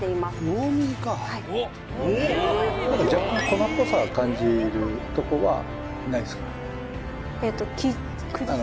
何か若干粉っぽさを感じるとこはないっすか？